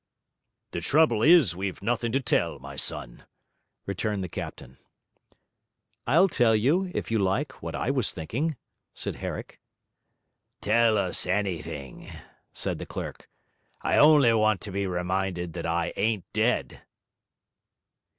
'The trouble is we've nothing to tell, my son,' returned the captain. 'I'll tell you, if you like, what I was thinking,' said Herrick. 'Tell us anything,' said the clerk, 'I only want to be reminded that I ain't dead.'